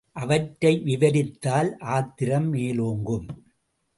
அவற்றை விவரித்தால் ஆத்திரம் மேலோங்கும்.